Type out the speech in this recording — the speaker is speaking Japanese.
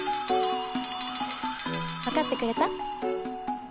わかってくれた？